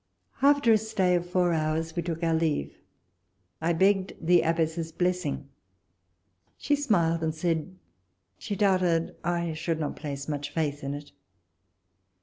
After a stay of four hours we took our leave. I begged the abbess's blessing ; she smiled, and said, she doubted I should not place much faith in it.